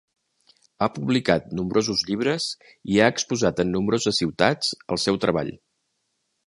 Ha publicat nombrosos llibres i ha exposat en nombroses ciutats el seu treball.